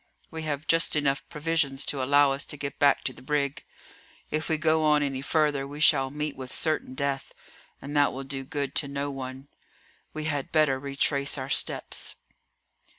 We have just enough provisions to allow us to get back to the brig. If we go on any further we shall meet with certain death, and that will do good to no one. We had better retrace our steps."